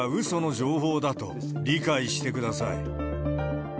その情報だと、理解してください。